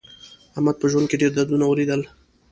احمد په ژوند کې ډېر دردونه ولیدل.